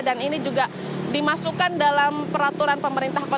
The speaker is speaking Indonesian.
dan ini juga dimasukkan dalam peraturan pemerintahan